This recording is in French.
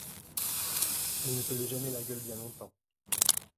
Elle ne faisait jamais la gueule bien longtemps.